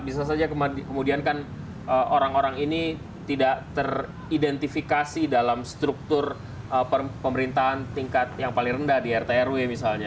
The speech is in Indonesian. bisa saja kemudian kan orang orang ini tidak teridentifikasi dalam struktur pemerintahan tingkat yang paling rendah di rtrw misalnya